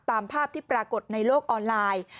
ตามภาพที่ปรากฏในโลกออนไลน์